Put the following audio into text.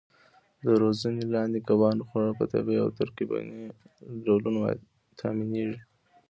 د روزنې لاندې کبانو خواړه په طبیعي او ترکیبي ډولونو تامینېږي.